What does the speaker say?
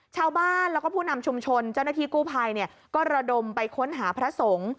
ชาวบ้านแล้วก็ผู้นำชุมชนเจ้าหน้าที่กู้ภัยก็ระดมไปค้นหาพระสงฆ์